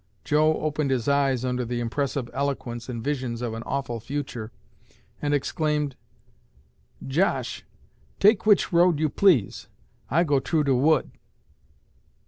Joe opened his eyes under the impressive eloquence and visions of an awful future, and exclaimed, 'Josh, take which road you please; I go troo de wood.'